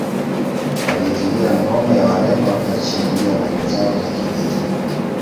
Waliizingira ngome ya Wareno wakazishambulia meli zao za kivita